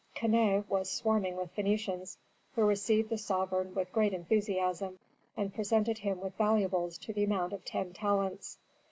Keneh was swarming with Phœnicians who received the sovereign with great enthusiasm, and presented him with valuables to the amount of ten talents.